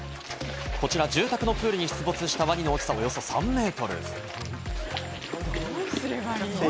こちら住宅のプールに出没したワニの大きさは、およそ３メートル。